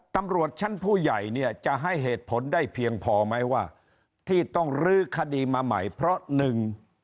ตำรวจชั้นผู้ใหญ่เนี่ยจะให้เหตุผลได้เพียงพอไหมว่าที่ต้องลื้อคดีมาใหม่เพราะหนึ่ง